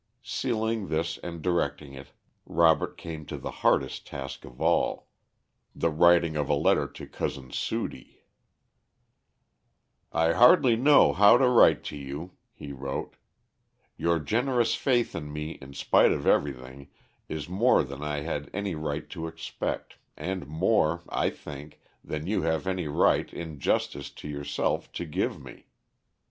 Sealing this and directing it, Robert came to the hardest task of all the writing of a letter to Cousin Sudie. "I hardly know how to write to you," he wrote. "Your generous faith in me in spite of everything is more than I had any right to expect, and more, I think, than you have any right, in justice to yourself, to give me.